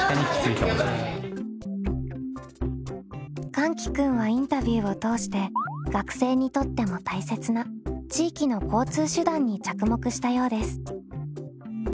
かんき君はインタビューを通して学生にとっても大切な地域の交通手段に着目したようです。